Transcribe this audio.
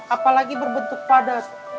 apalagi berbentuk padat